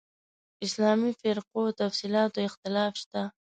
اسلامي فرقو تفصیلاتو اختلاف شته.